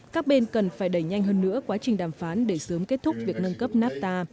các bên cần phải đẩy nhanh hơn nữa quá trình đàm phán để sớm kết thúc việc nâng cấp nafta